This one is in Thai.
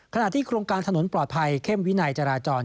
ขณะที่โครงการถนนปลอดภัยเข้มวินัยจราจร